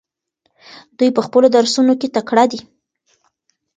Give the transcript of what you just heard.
دوی په خپلو درسونو کې تکړه دي.